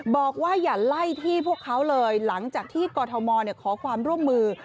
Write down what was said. บอกว่าอย่าไล่ที่พวกเขาเลยหลังจากที่กรทมขอความร่วมมือ